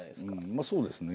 まあそうですね。